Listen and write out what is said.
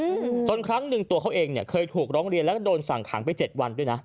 อืมจนครั้งหนึ่งตัวเขาเองเนี้ยเคยถูกร้องเรียนแล้วก็โดนสั่งขังไปเจ็ดวันด้วยนะ